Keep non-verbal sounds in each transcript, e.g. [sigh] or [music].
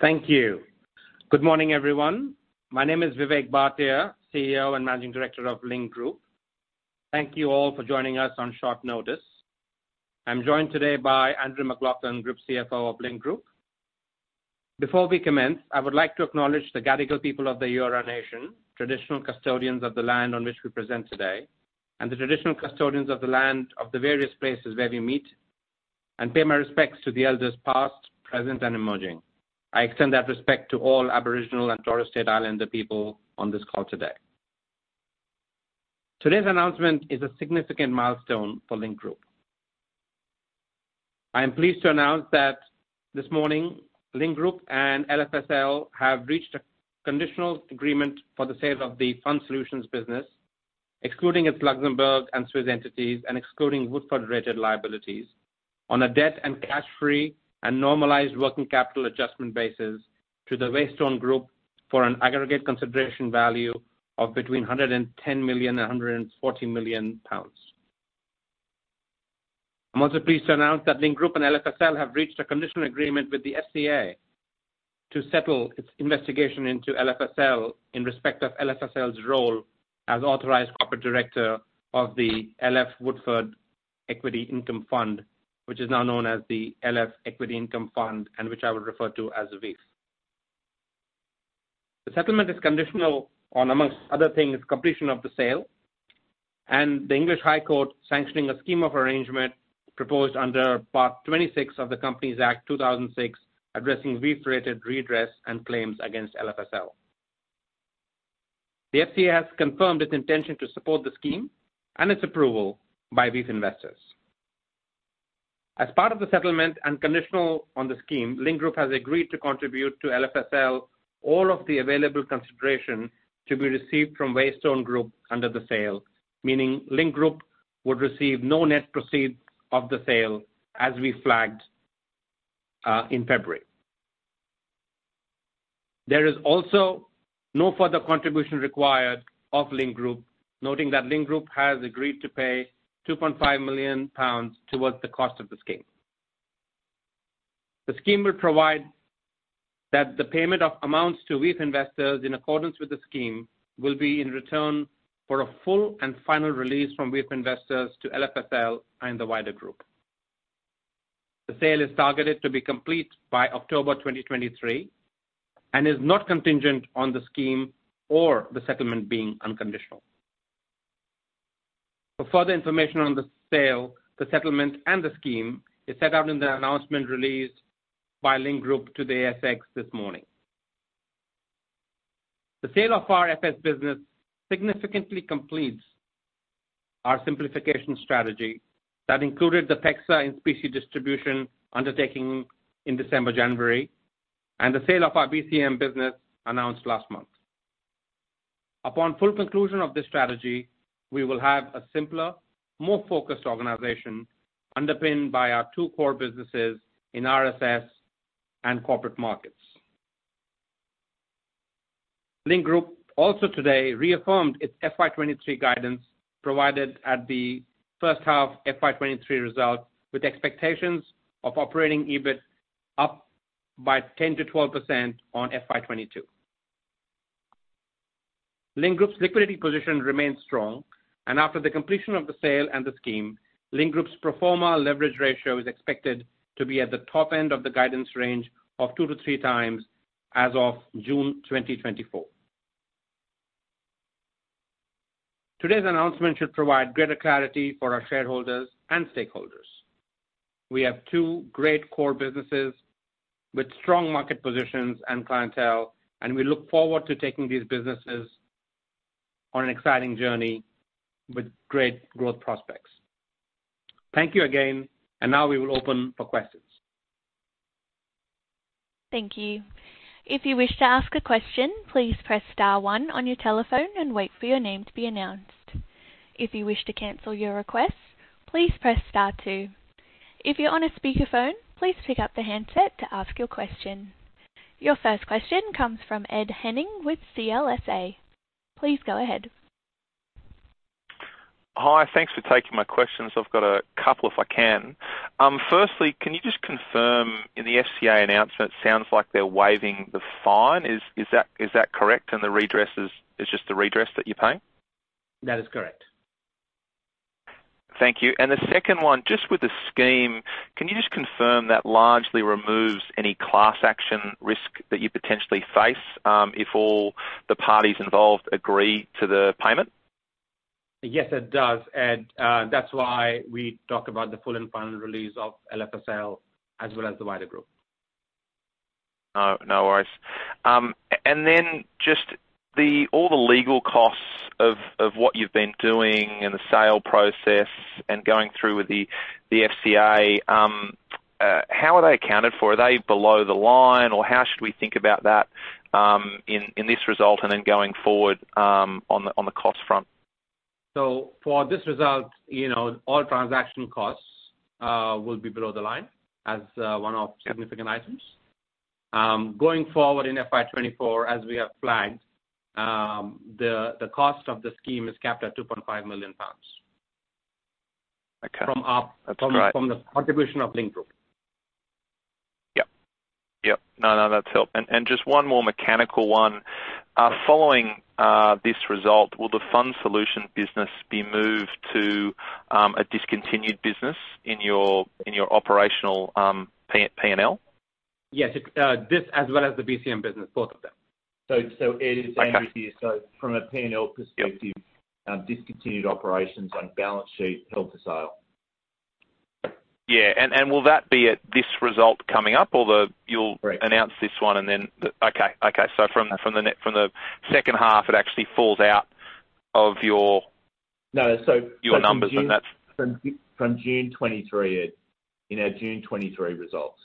Thank you. Good morning, everyone. My name is Vivek Bhatia, CEO and Managing Director of Link Group. Thank you all for joining us on short notice. I'm joined today by Andrew MacLachlan, Group CFO of Link Group. Before we commence, I would like to acknowledge the Gadigal people of the Eora Nation, traditional custodians of the land on which we present today, and the traditional custodians of the land of the various places where we meet, and pay my respects to the elders past, present, and emerging. I extend that respect to all Aboriginal and Torres Strait Islander people on this call today. Today's announcement is a significant milestone for Link Group. I am pleased to announce that this morning, Link Group and LFSL have reached a conditional agreement for the sale of the Fund Solutions business, excluding its Luxembourg and Swiss entities and excluding Woodford-related liabilities, on a debt and cash-free and normalized working capital adjustment basis to the Waystone Group for an aggregate consideration value of between 110 million and 140 million pounds. I'm also pleased to announce that Link Group and LFSL have reached a conditional agreement with the FCA to settle its investigation into LFSL in respect of LFSL's role as Authorised Corporate Director of the LF Woodford Equity Income Fund, which is now known as the LF Equity Income Fund and which I will refer to as VIF. The settlement is conditional on, among other things, completion of the sale and the English High Court sanctioning a scheme of arrangement proposed under Part 26 of the Companies Act 2006, addressing VIF-related redress and claims against LFSL. The FCA has confirmed its intention to support the scheme and its approval by VIF investors. As part of the settlement and conditional on the scheme, Link Group has agreed to contribute to LFSL all of the available consideration to be received from Waystone Group under the sale. Meaning Link Group would receive no net proceeds of the sale as we flagged in February. There is also no further contribution required of Link Group, noting that Link Group has agreed to pay 2.5 million pounds towards the cost of the scheme. The scheme will provide that the payment of amounts to VIF investors in accordance with the scheme will be in return for a full and final release from VIF investors to LFSL and the wider group. The sale is targeted to be complete by October 2023 and is not contingent on the scheme or the settlement being unconditional. For further information on the sale, the settlement and the scheme is set out in the announcement released by Link Group to the ASX this morning. The sale of our FS business significantly completes our simplification strategy that included the PEXA in-specie distribution undertaking in December, January, and the sale of our BCM business announced last month. Upon full conclusion of this strategy, we will have a simpler, more focused organization underpinned by our two core businesses in RSS and Corporate Markets. Link Group also today reaffirmed its FY 2023 guidance provided at the H1 FY 2023 result, with expectations of operating EBIT up by 10%-12% on FY 2022. Link Group's liquidity position remains strong, and after the completion of the sale and the scheme, Link Group's pro forma leverage ratio is expected to be at the top end of the guidance range of 2-3x as of June 2024. Today's announcement should provide greater clarity for our shareholders and stakeholders. We have two great core businesses with strong market positions and clientele, and we look forward to taking these businesses on an exciting journey with great growth prospects. Thank you again. Now we will open for questions. Thank you. If you wish to ask a question, please press star one on your telephone and wait for your name to be announced. If you wish to cancel your request, please press star two. If you're on a speakerphone, please pick up the handset to ask your question. Your first question comes from Ed Henning with CLSA. Please go ahead. Hi. Thanks for taking my questions. I've got a couple if I can. Firstly, can you just confirm, in the FCA announcement, it sounds like they're waiving the fine. Is that correct? The redress is just the redress that you're paying? That is correct. Thank you. The second one, just with the scheme, can you just confirm that largely removes any class action risk that you potentially face, if all the parties involved agree to the payment? Yes, it does, Ed. That's why we talk about the full and final release of LFSL as well as the wider group. No, no worries. Then just the legal costs of what you've been doing in the sale process and going through with the FCA, how are they accounted for? Are they below the line, or how should we think about that in this result and then going forward on the cost front? For this result, you know, all transaction costs will be below the line as one of the significant items. Going forward in FY 2024, as we have flagged, the cost of the scheme is capped at 2.5 million pounds. That's right. From the contribution of Link Group. Yep. No, that's helped. Just one more mechanical one. Following this result, will the Fund Solutions business be moved to a discontinued business in your operational P&L? Yes. It's, this as well as the BCM business, both of them. Ed, it's Andrew here. from a P&L perspective discontinued operations on balance sheet held for sale. Yeah. Will that be at this result coming up? You'll announce this one and then the. Okay. Okay. From the, from the H2, it actually falls out of your. No. Your numbers, and that's- From June 23, Ed. In our June 23 results.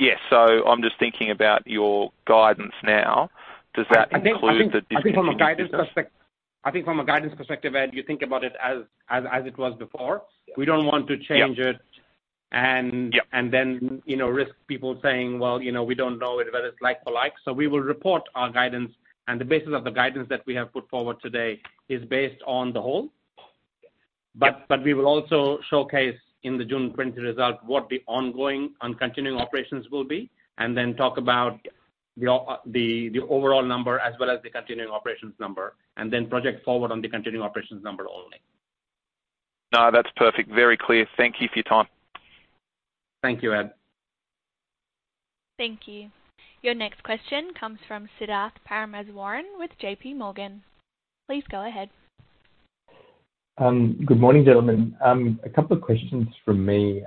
Yeah. I'm just thinking about your guidance now. Does that include the discontinued business? [crosstalk] I think from a guidance perspective, Ed, you think about it as it was before. We don't want to change it. And you know, risk people saying, "Well, you know, we don't know it, whether it's like for like." We will report our guidance. The basis of the guidance that we have put forward today is based on the whole. We will also showcase in the June 20 result what the ongoing and continuing operations will be, and then talk about the overall number as well as the continuing operations number, and then project forward on the continuing operations number only. No, that's perfect. Very clear. Thank you for your time. Thank you, Ed. Thank you. Your next question comes from Siddharth Parameswaran with JP Morgan. Please go ahead. Good morning, gentlemen. A couple of questions from me.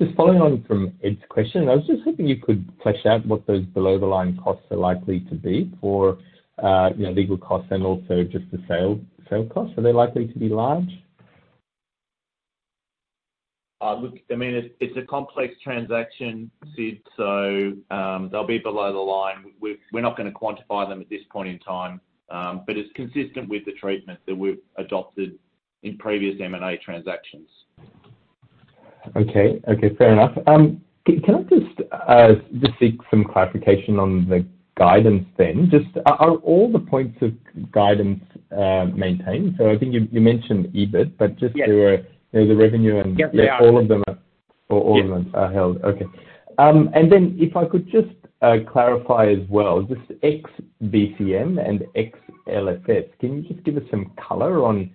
Just following on from Ed's question, I was just hoping you could flesh out what those below-the-line costs are likely to be for, you know, legal costs and also just the sale costs. Are they likely to be large? Look, I mean, it's a complex transaction, Sid. They'll be below the line. We're not gonna quantify them at this point in time. It's consistent with the treatment that we've adopted in previous M&A transactions. Okay. Okay, fair enough. can I just seek some clarification on the guidance then? Just are all the points of guidance maintained? I think you mentioned EBIT, but just the revenue and all of them are? Yes. They are. All of them are held. Okay. If I could just clarify as well, just ex BCM and ex LFS, can you just give us some color on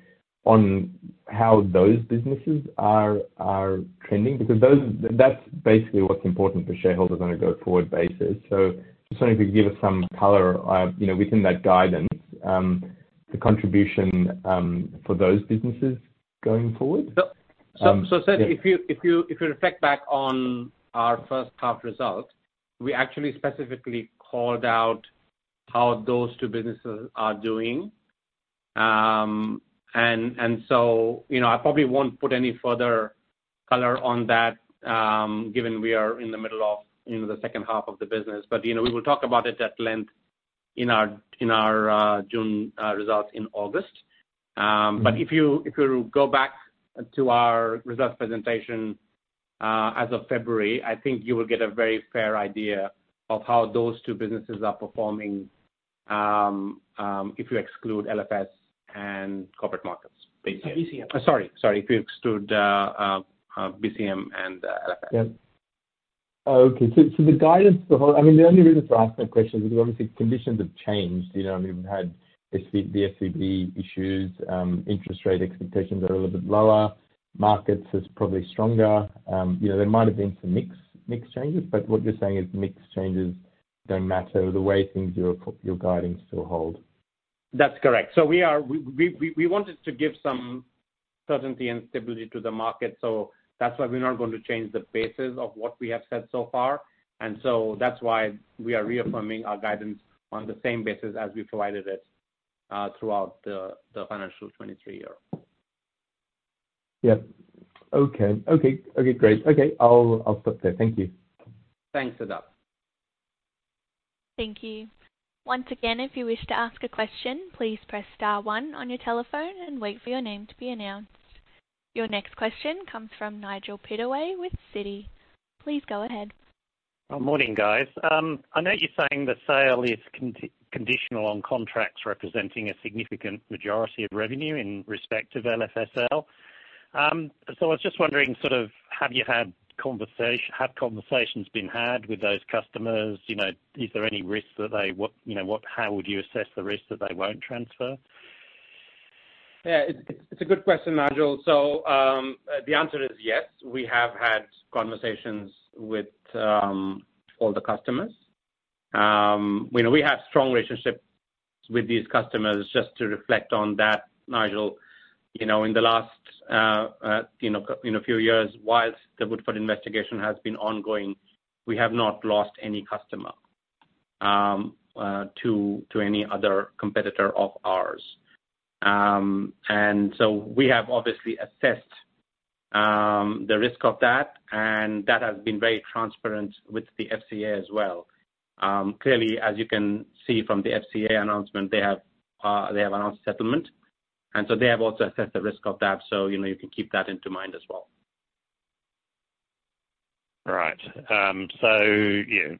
how those businesses are trending? That's basically what's important for shareholders on a go-forward basis. Wondering if you could give us some color, you know, within that guidance, the contribution for those businesses going forward. Sid, if you reflect back on our H1 results, we actually specifically called out how those two businesses are doing. You know, I probably won't put any further color on that, given we are in the middle of, you know, the H2 of the business. You know, we will talk about it at length in our June results in August. If you go back to our results presentation, as of February, I think you will get a very fair idea of how those two businesses are performing, if you exclude LFS and Corporate Markets basically. BCM. Sorry. If you exclude BCM and LFS. Okay. The guidance for the whole, I mean, the only reason for asking that question is because obviously conditions have changed. You know, we've had the SVB issues, interest rate expectations are a little bit lower. markets is probably stronger. You know, there might have been some mix changes, but what you're saying is mix changes don't matter. The way things are, your guidance still holds. That's correct. We wanted to give some certainty and stability to the market, so that's why we're not going to change the basis of what we have said so far. That's why we are reaffirming our guidance on the same basis as we provided it throughout the financial 2023 year. Yeah. Okay. Okay. Okay, great. Okay, I'll stop there. Thank you. Thanks, Siddharth. Thank you. Once again, if you wish to ask a question, please press star one on your telephone and wait for your name to be announced. Your next question comes from Nigel Pittaway with Citi. Please go ahead. Morning, guys. I know you're saying the sale is conditional on contracts representing a significant majority of revenue in respect of LFSL. I was just wondering, sort of have you had conversations been had with those customers? You know, is there any risk that they... What, you know, how would you assess the risk that they won't transfer? It's a good question, Nigel. The answer is yes. We have had conversations with all the customers. You know, we have strong relationships with these customers. Just to reflect on that, Nigel, you know, in the last, you know, in a few years, whilst the Woodford investigation has been ongoing, we have not lost any customer to any other competitor of ours. We have obviously assessed the risk of that, and that has been very transparent with the FCA as well. As you can see from the FCA announcement, they have announced settlement, and so they have also assessed the risk of that. You know, you can keep that into mind as well. Right. you know,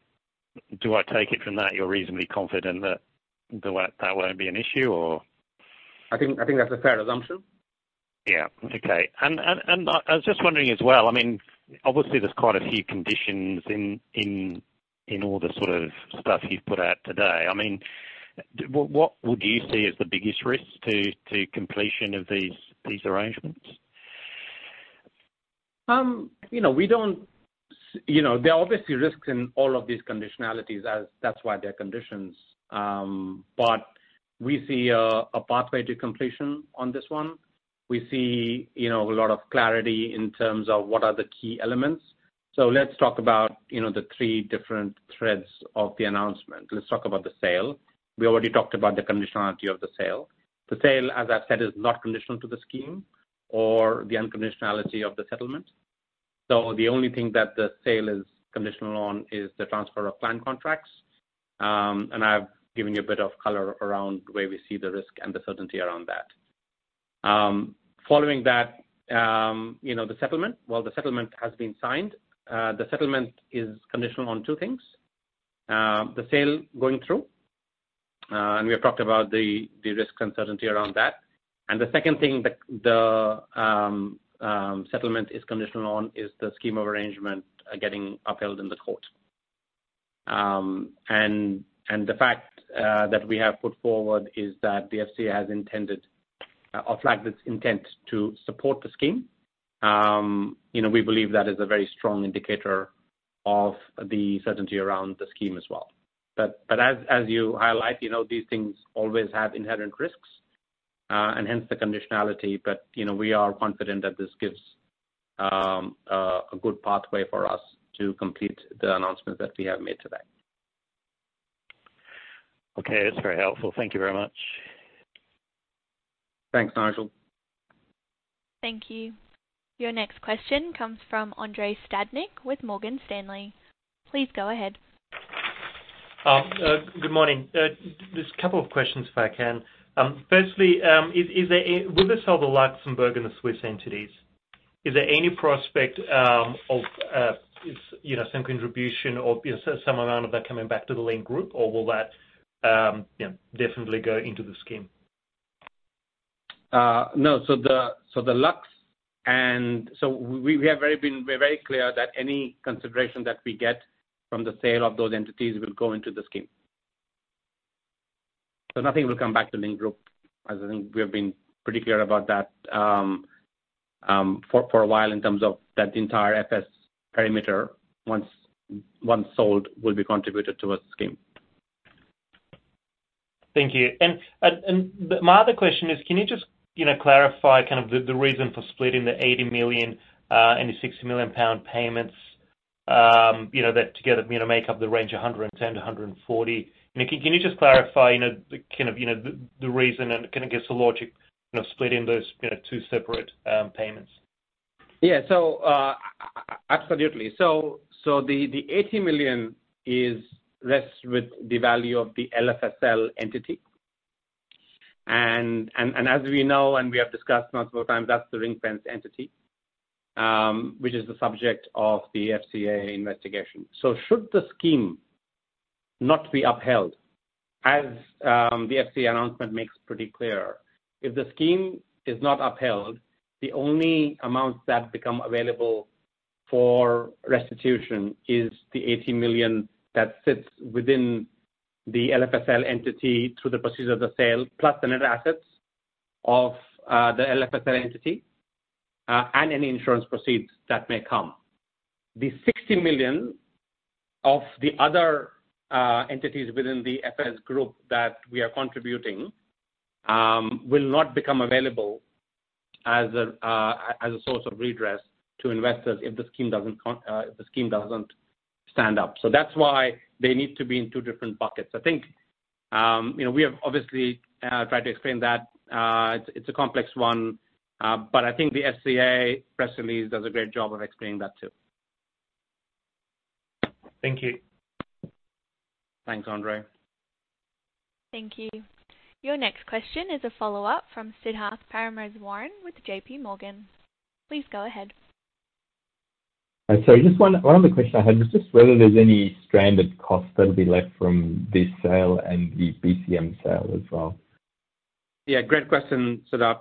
do I take it from that you're reasonably confident that won't be an issue or? I think that's a fair assumption. Yeah. Okay. I was just wondering as well, I mean, obviously there's quite a few conditions in all the sort of stuff you've put out today. I mean, what would you see as the biggest risk to completion of these arrangements? You know, we don't you know, there are obviously risks in all of these conditionalities as that's why they're conditions. We see a pathway to completion on this one. We see, you know, a lot of clarity in terms of what are the key elements. Let's talk about, you know, the three different threads of the announcement. Let's talk about the sale. We already talked about the conditionality of the sale. The sale, as I said, is not conditional to the scheme or the unconditionality of the settlement. The only thing that the sale is conditional on is the transfer of plan contracts. I've given you a bit of color around where we see the risk and the certainty around that. Following that, you know, the settlement. While the settlement has been signed, the settlement is conditional on two things. The sale going through, and we have talked about the risk and certainty around that. The second thing that the settlement is conditional on is the scheme of arrangement getting upheld in the court. The fact that we have put forward is that the FCA has intended or flagged its intent to support the scheme. You know, we believe that is a very strong indicator of the certainty around the scheme as well. As, as you highlight, you know, these things always have inherent risks, and hence the conditionality. You know, we are confident that this gives a good pathway for us to complete the announcement that we have made today. Okay. That's very helpful. Thank you very much. Thanks, Nigel. Thank you. Your next question comes from Andrei Stadnik with Morgan Stanley. Please go ahead. Good morning. Just a couple of questions, if I can. Firstly, with the sale of Luxembourg and the Swiss entities, is there any prospect of, you know, some contribution or some amount of that coming back to the Link Group? Will that, you know, definitely go into the scheme? The Lux and... we're very clear that any consideration that we get from the sale of those entities will go into the scheme. Nothing will come back to Link Group, as I think we have been pretty clear about that, for a while in terms of that entire FS parameter once sold will be contributed towards the scheme. Thank you. My other question is, can you just, you know, clarify kind of the reason for splitting the 80 million and the 60 million pound payments, you know, that together, you know, make up the range of 110 million-140 million. Can you just clarify, you know, the kind of, you know, the reason and kind of give us the logic, you know, splitting those, you know, two separate payments? Absolutely. So the 80 million rests with the value of the LFSL entity. As we know and we have discussed multiple times, that's the ring-fence entity, which is the subject of the FCA investigation. Should the scheme not be upheld as the FCA announcement makes pretty clear. If the scheme is not upheld, the only amounts that become available for restitution is the 80 million that sits within the LFSL entity through the proceeds of the sale, plus the net assets of the LFSL entity, and any insurance proceeds that may come. The 60 million of the other entities within the FS group that we are contributing, will not become available as a source of redress to investors if the scheme doesn't stand up. That's why they need to be in two different buckets. I think, you know, we have obviously tried to explain that. It's a complex one. I think the FCA press release does a great job of explaining that too. Thank you. Thanks, Andrei. Thank you. Your next question is a follow-up from Siddharth Parameswaran with JP Morgan. Please go ahead. Sorry, just one other question I had was just whether there's any stranded costs that'll be left from this sale and the BCM sale as well. Yeah, great question, Siddharth.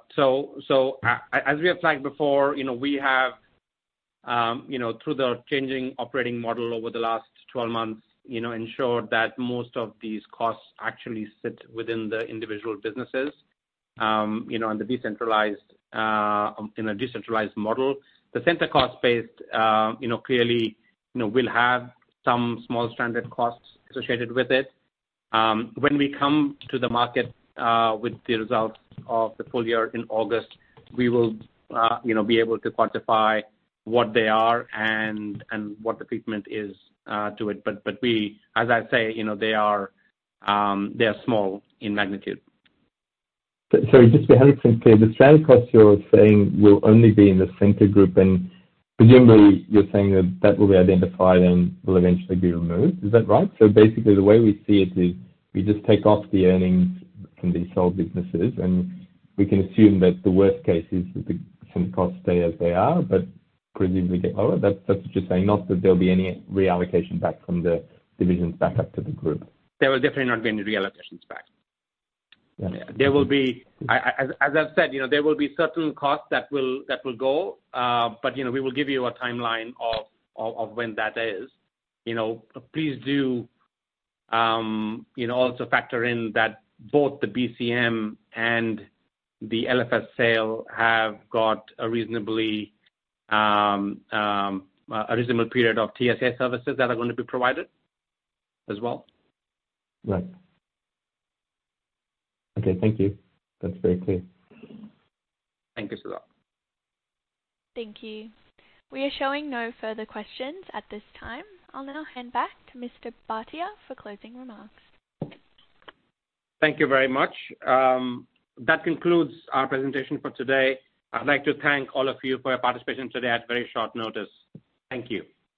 As we have flagged before, you know, we have, you know, through the changing operating model over the last 12 months, you know, ensured that most of these costs actually sit within the individual businesses, you know, on the decentralized, in a decentralized model. The center cost base, you know, clearly, you know, will have some small stranded costs associated with it. When we come to the market, with the results of the full year in August, we will, you know, be able to quantify what they are and what the treatment is to it. As I say, you know, they are small in magnitude. Sorry, just to 100% clear. The stranded costs you're saying will only be in the center group, and presumably you're saying that that will be identified and will eventually be removed. Is that right? Basically the way we see it is we just take off the earnings from these whole businesses, and we can assume that the worst case is the same costs stay as they are but presumably get lower. That's just saying not that there'll be any reallocation back from the divisions back up to the group. There will definitely not be any reallocations back. There will be as I've said, you know, there will be certain costs that will go, but, you know, we will give you a timeline of when that is. You know, please do, you know, also factor in that both the BCM and the LFS sale have got a reasonable period of TSA services that are gonna be provided as well. Right. Okay. Thank you. That's very clear. Thank you, Siddharth. Thank you. We are showing no further questions at this time. I'll now hand back to Mr. Bhatia for closing remarks. Thank you very much. That concludes our presentation for today. I'd like to thank all of you for your participation today at very short notice. Thank you.